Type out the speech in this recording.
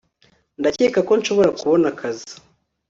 Ndakeka ko nshobora kubona akazi